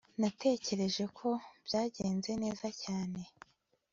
Natekereje ko byagenze neza cyane